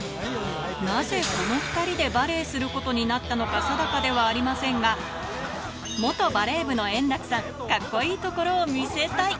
なぜ、この２人でバレーすることになったのか定かではありませんが、元バレー部の円楽さん、かっこいいところを見せたい。